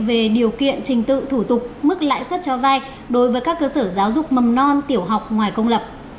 về điều kiện trình tự thủ tục mức lãi suất cho vai đối với các cơ sở giáo dục mầm non tiểu học ngoài công lập